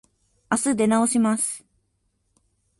あす出直します。